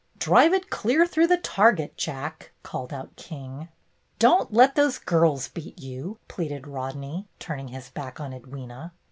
"Drive it clear through the target. Jack!" called out King. THE MAY DAY GAMES 85 "Don't let those girls beat you," pleaded Rodney, turning his back on Edwyna.